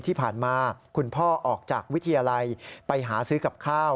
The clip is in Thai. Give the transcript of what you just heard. ที่ผ่านมาคุณพ่อออกจากวิทยาลัยไปหาซื้อกับข้าว